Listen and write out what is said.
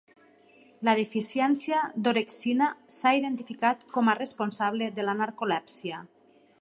La deficiència d'orexina s'ha identificat com a responsable de la narcolèpsia.